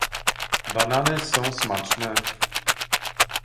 "Banany są smaczne."